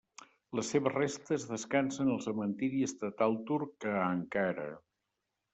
Les seves restes descansen al Cementiri estatal turc a Ankara.